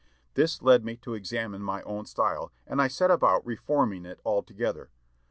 This led me to examine my own style, and I set about reforming it altogether."